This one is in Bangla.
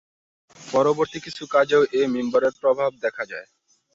পববর্তী কিছু কাজেও এ মিম্বরের প্রভাব দেখা যায়।